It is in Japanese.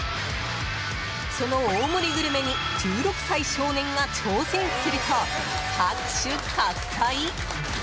その大盛りグルメに１６歳少年が挑戦すると、拍手喝采？